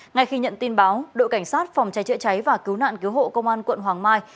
ngay khi nhận tin báo đội cảnh sát phòng cháy chữa cháy và cứu nạn cứu hộ công an quận hoàng mai